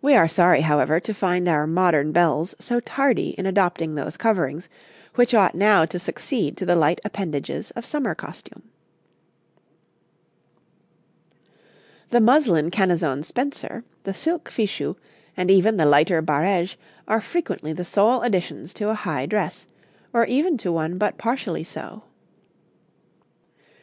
We are sorry, however, to find our modern belles so tardy in adopting those coverings, which ought now to succeed to the light appendages of summer costume. 'The muslin Canezon spencer, the silk fichu, and even the lighter barêge, are frequently the sole additions to a high dress, or even to one but partially so.